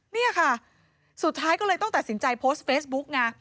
นี่ค่ะสุดท้ายก็เลยต้องตัดสินใจโพสต์เฟซบุ๊กไง